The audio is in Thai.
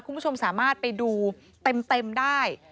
คุณผู้ชมสามารถไปดูเต็มได้